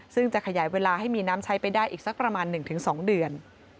ซึ่งจะขยายเวลาให้มีน้ำใช้ไปได้อีกสักประมาณ๑๒เดือน